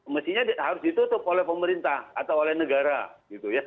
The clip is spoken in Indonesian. mestinya harus ditutup oleh pemerintah atau oleh negara gitu ya